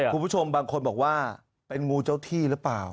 คุณผู้ชมบางคนบอกว่าเป็นงูเจ้าที่หรือเปล่า